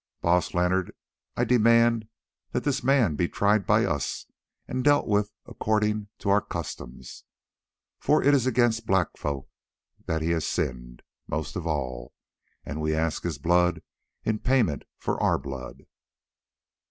"Baas Leonard, I demand this man to be tried by us and dealt with according to our customs, for it is against us black folk that he has sinned most of all, and we ask his blood in payment for our blood."